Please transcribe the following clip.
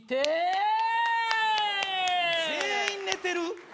全員寝てる？